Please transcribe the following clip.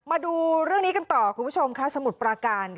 มาดูเรื่องนี้กันต่อคุณผู้ชมค่ะสมุทรปราการ